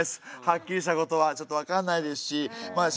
はっきりしたことはちょっと分かんないですしまあ